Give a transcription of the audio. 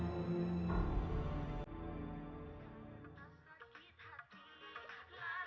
jangan lagi tangguh tangguh pasang